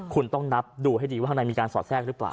คุณต้องนับดูให้ดีว่าข้างในมีการสอดแทรกหรือเปล่า